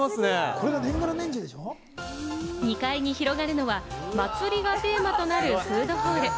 ２階に広がるのは祭りがテーマとなるフードホール。